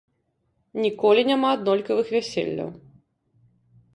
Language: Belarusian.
Ніколі няма аднолькавых вяселляў.